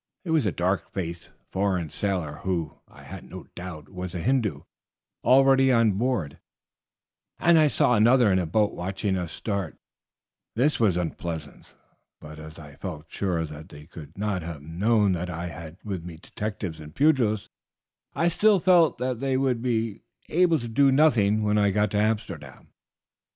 There was a dark faced foreign sailor, who, I had no doubt, was a Hindoo, already on board, and I saw another in a boat watching us start; this was unpleasant, but as I felt sure that they could not have known that I had with me detectives and pugilists, I still felt that they would be able to do nothing when I got to Amsterdam."